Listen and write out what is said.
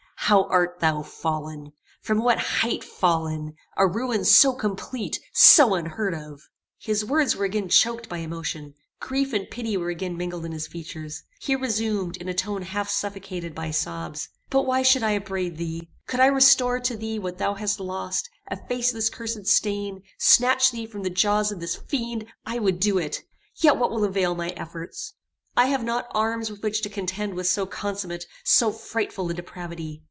how art thou fallen! From what height fallen! A ruin so complete so unheard of!" His words were again choaked by emotion. Grief and pity were again mingled in his features. He resumed, in a tone half suffocated by sobs: "But why should I upbraid thee? Could I restore to thee what thou hast lost; efface this cursed stain; snatch thee from the jaws of this fiend; I would do it. Yet what will avail my efforts? I have not arms with which to contend with so consummate, so frightful a depravity.